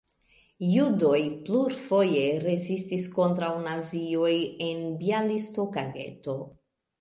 Judoj plurfoje rezistis kontraŭ nazioj en bjalistoka geto.